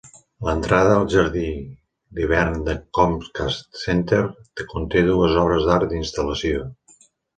L'entrada del jardí d'hivern del Comcast Center conté dues obres d'art d'instal·lació.